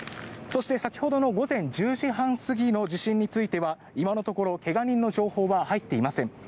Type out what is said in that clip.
そして、先ほどの午前１０時半過ぎの地震については今のところ怪我人の情報は入っていません。